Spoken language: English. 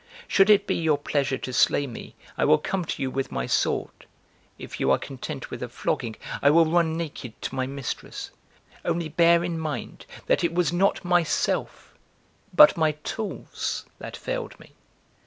Should it be your pleasure to slay me I will come to you with my sword; if you are content with a flogging I will run naked to my mistress; only bear in mind that it was not myself but my tools that failed me.